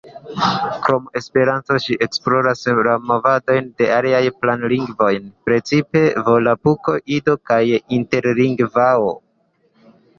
Krom Esperanto ŝi esploras la movadojn de aliaj planlingvoj, precipe volapuko, ido kaj interlingvao.